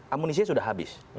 amunisinya sudah habis